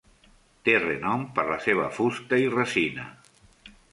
Té renom per la seva fusta i resina.